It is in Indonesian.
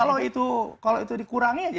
nah betul kalau itu dikurangi aja